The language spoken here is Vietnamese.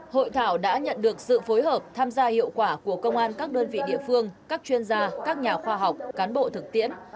hội thảo đã nhận được sự phối hợp tham gia hiệu quả của công an các đơn vị địa phương các chuyên gia các nhà khoa học cán bộ thực tiễn